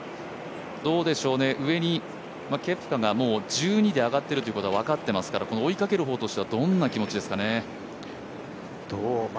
どうでしょう、上にケプカが１２で上がってるというのが分かっていますから、追いかける方としては、どんな気持ちですかね？